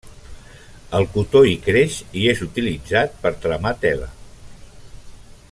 El cotó hi creix i és utilitzat per tramar tela.